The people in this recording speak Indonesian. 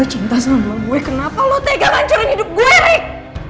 gue cinta sama buah gue kenapa lo tega ngancurin hidup gue rick